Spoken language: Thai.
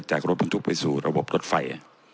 จากรถบรรทุกไปสู่ระบบรถไฟ